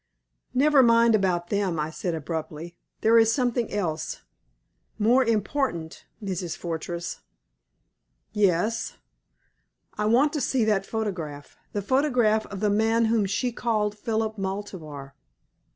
"Never mind about them," I said, abruptly. "There is something else more important Mrs. Fortress." "Yes." "I want to see that photograph the photograph of the man whom she called Philip Maltabar."